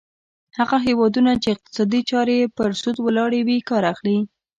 هغه هیوادونه چې اقتصادي چارې یې پر سود ولاړې وي کار اخلي.